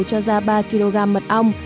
cho ra ba kg mật ong